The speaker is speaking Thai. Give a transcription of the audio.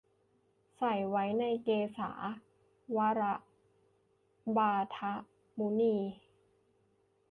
ใส่ไว้ในเกศา วระบาทะมุนี